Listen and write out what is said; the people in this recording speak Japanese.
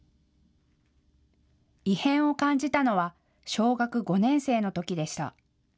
異変を感じたのは小学５年生のときでした。